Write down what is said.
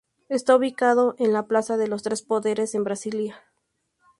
Está ubicado en la Plaza de los Tres Poderes, en Brasilia.